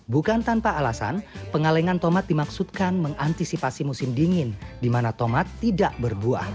bukan tanpa alasan pengalengan tomat dimaksudkan mengantisipasi musim dingin di mana tomat tidak berbuah